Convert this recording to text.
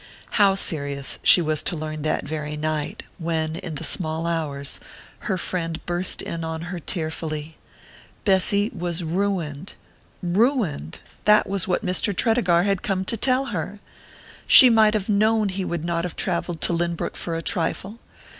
How serious, she was to learn that very night, when, in the small hours, her friend burst in on her tearfully. Bessy was ruined ruined that was what Mr. Tredegar had come to tell her! She might have known he would not have travelled to Lynbrook for a trifle....